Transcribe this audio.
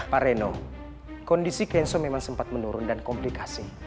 pak reno kondisi kenso memang sempat menurun dan komplikasi